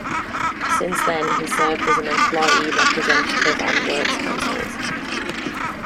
Since then, he served as an employee representative on works councils.